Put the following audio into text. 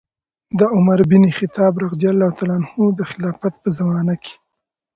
د عمر بن الخطاب رضي الله عنه د خلافت په زمانه کې